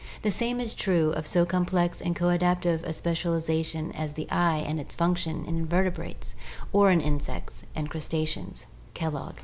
The same is true of so complex and coadaptive a specialization as the eye and its function in the vertebrates or in the insects and crustaceans (Kellogg).